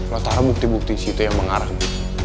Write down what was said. lo taruh bukti bukti di situ yang mengarah ke gue